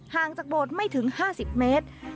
ให้ถึง๕๐เมตร